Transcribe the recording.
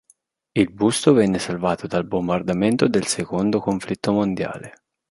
Il busto venne salvato dal bombardamento del secondo conflitto mondiale.